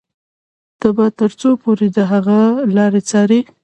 ته به تر څو پورې د هغه لارې څاري.